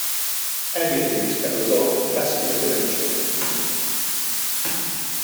Any of these can result in vascular dementia.